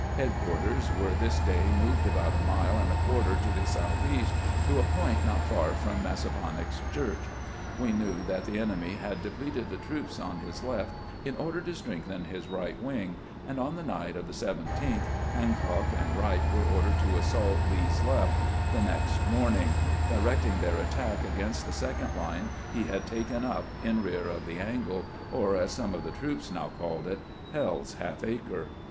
Headquarters were this day moved about a mile and a quarter to the southeast, to a point not far from Mas saponax Church. We knew that the enemy had depleted the troops on his left in order to strengthen his right wing, and on the night of the 17th Hancock and Wright were ordered to assault Lee's left the next morning, directing their attack against the second line he had taken up in rear of the " angle," or, as some of the troops now called it, " Hell's Half acre."